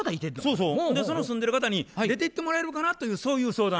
その住んでる方に出てってもらえるかなというそういう相談。